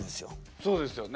そうですよね。